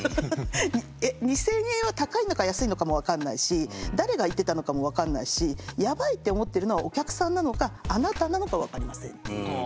２，０００円は高いのか安いのかも分かんないし誰が言ってたのかも分かんないしやばいって思ってるのはお客さんなのかあなたなのか分かりませんっていう。